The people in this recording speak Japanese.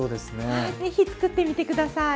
はいぜひ作ってみて下さい。